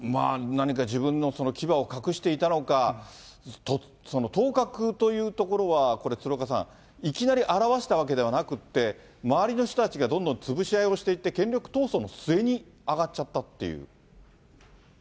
何か自分の牙を隠していたのか、頭角というところは、これ、鶴岡さん、いきなり現したわけではなくって、周りの人たちがどんどん潰し合いをしていって、権力闘争の末に上がっちゃったっていう。